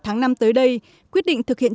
tháng năm tới đây quyết định thực hiện